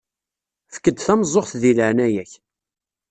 Efk-d tameẓẓuɣt di leɛnaya-k.